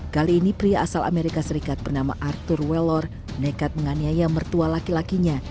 kali ini pria asal amerika serikat bernama arthur wellor nekat menganiaya mertua laki lakinya